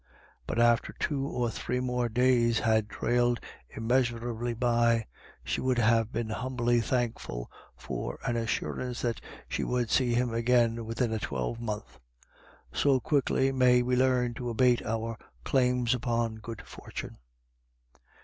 But after two or three more days had trailed immeasurably by, she would have been humbly thankful for an assurance that she would see him again within a twelvemonth. So quickly may we learn to abate our claims upon good fortune.